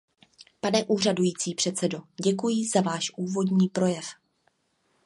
Pane úřadující předsedo, děkuji za váš úvodní projev.